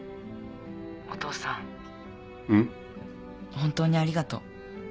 本当にありがとう。